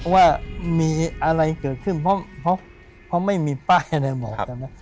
ว่ามีอะไรเกิดขึ้นเพราะไม่มีป้ายอะไรหมด